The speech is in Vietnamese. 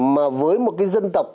mà với một cái dân tộc